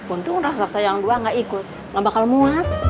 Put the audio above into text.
untung raksasa yang dua gak ikut gak bakal muat